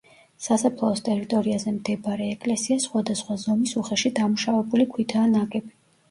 სასაფლაოს ტერიტორიაზე მდებარე ეკლესია სხვადასხვა ზომის უხეშად დამუშავებული ქვითაა ნაგები.